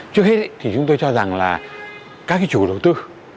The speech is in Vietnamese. trước hết thì chúng tôi cho rằng là các cái chủ đầu tư